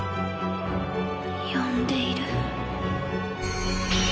呼んでいる。